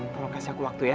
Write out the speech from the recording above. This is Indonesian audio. tolong kasih aku waktu ya